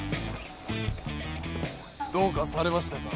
どうかされましたか？